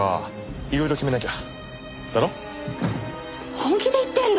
本気で言ってんの！？